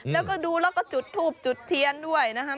แล้วก็ดูแล้วก็จุดทูบจุดเทียนด้วยนะครับ